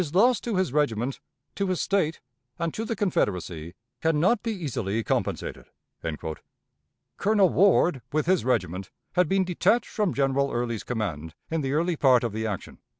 His loss to his regiment, to his State, and to the Confederacy can not be easily compensated." Colonel Ward, with his regiment, had been detached from General Early's command in the early part of the action.